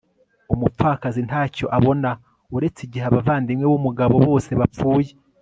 umupfakazi ntacyo abona uretse igihe abavandimwe b'umugabo bose bapfuye